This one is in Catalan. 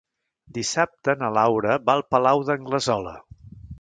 Dissabte na Laura va al Palau d'Anglesola.